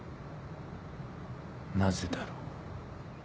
なぜだろう？